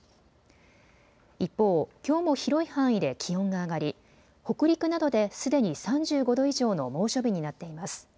一方、きょうも広い範囲で気温が上がり北陸などですでに３５度以上の猛暑日になっています。